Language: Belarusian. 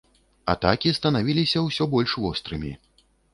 Атакі станавіліся ўсё больш вострымі.